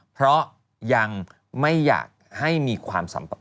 เพราะยังไม่อยากให้มีความสัมปะ